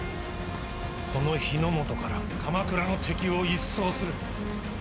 この日本から鎌倉の敵を一掃する。